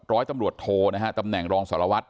ร้อยตำรวจโทนะฮะตำแหน่งรองสารวัตร